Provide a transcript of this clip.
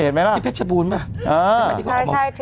แต่นี่ป็อปชะปูนไหม